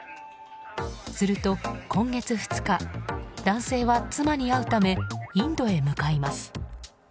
すると、今月２日男性は妻に会うためインドへ向かいます。